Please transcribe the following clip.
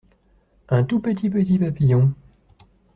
Un tout petit petit papillon.